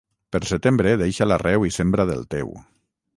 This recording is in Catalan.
Pel setembre deixa l'arreu i sembra del teu.